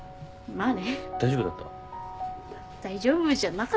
まあね。